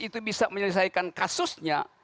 itu bisa menyelesaikan kasusnya